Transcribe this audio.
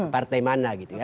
partai mana gitu ya